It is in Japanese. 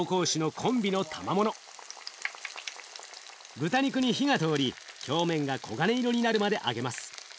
豚肉に火が通り表面が黄金色になるまで揚げます。